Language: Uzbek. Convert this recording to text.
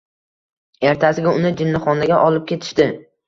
Ertasiga uni jinnixonaga olib ketishdi.